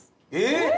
えっ？